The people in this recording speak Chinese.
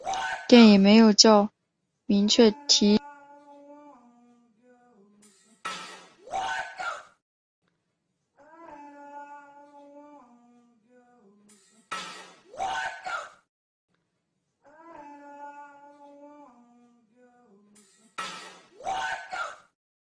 电影没有明确提及被指种族灭绝亚美尼亚人的土耳其。